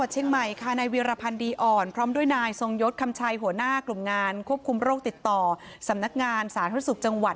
เชียงใหม่ค่ะนายเวียรพันธ์ดีอ่อนพร้อมด้วยนายทรงยศคำชัยหัวหน้ากลุ่มงานควบคุมโรคติดต่อสำนักงานสาธารณสุขจังหวัด